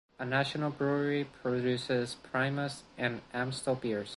A national brewery produces Primus and Amstel beers.